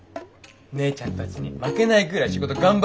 姉ちゃんたちに負けないぐらい仕事頑張るよ。